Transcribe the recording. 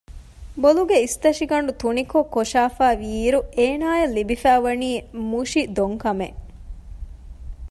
ބޮލުގެ އިސްތަށިގަނޑު ތުނިކޮށް ކޮށާފައިވީއިރު އޭނާއަށް ލިބިފައިވަނީ މުށި ދޮންކަމެއް